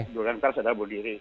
dugaan kasus adalah bunuh diri